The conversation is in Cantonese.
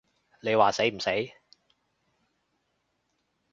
你話死唔死？